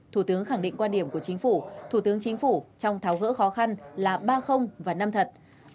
thủ tướng khẳng định quan điểm của chính phủ thủ tướng chính phủ trong tháo gỡ khó khăn là ba và năm thật